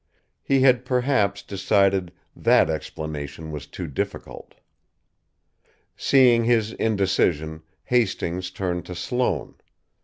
He had, perhaps, decided that explanation was too difficult. Seeing his indecision, Hastings turned on Sloane.